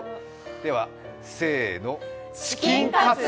では、せーの、チキンカツ。